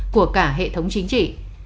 của cả hệ thống chính trị